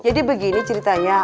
jadi begini ceritanya